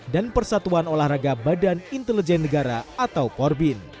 dan persatuan olahraga badan intelijen negara atau porbin